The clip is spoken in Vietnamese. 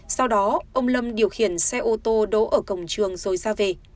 sau đó ông lâm điều khiển xe ô tô đỗ ở cổng trường rồi ra về